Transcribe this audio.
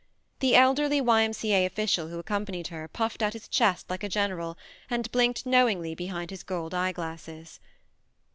The elderly Y.M.C.A. official who accom panied her puffed out his chest like a general and blinked knowingly behind his gold eye glasses.